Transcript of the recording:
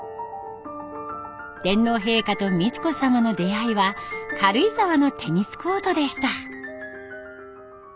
天皇陛下と美智子さまの出会いは軽井沢のテニスコートでした。